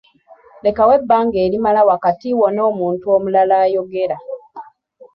Lekawo ebbanga erimala wakati wo n’omuntu omulala ayogera.